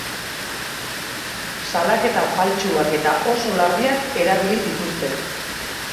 Salaketa faltsuak eta oso larriak erabili dituzte.